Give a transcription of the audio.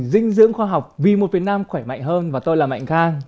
dinh dưỡng khoa học vì một việt nam khỏe mạnh hơn và tôi là mạnh khang